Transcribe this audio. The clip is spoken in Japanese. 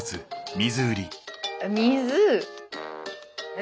水！